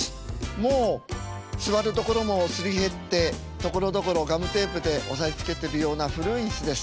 もう座るところもすり減ってところどころガムテープで押さえつけてるような古い椅子です。